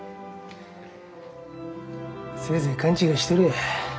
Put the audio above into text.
せいぜい勘違いしてろや。